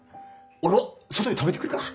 俺は外で食べてくるから。